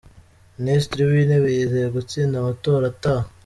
Minisitiri w’intebe yizeye gutsinda amatora ataha